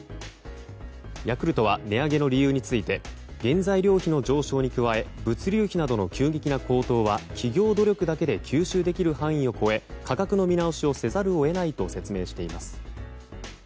ヤクルトは値上げの理由について原材料費の上昇に加え物流費などの急激な高騰は企業努力だけで吸収できる範囲を超え価格の見直しをせざるを得ないと説明しています。